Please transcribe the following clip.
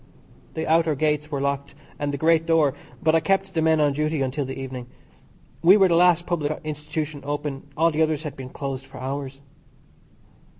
The outer gates were locked, and the great door, but I kept the men on duty until the evening. We were the last public institution open; all the others had been closed for hours.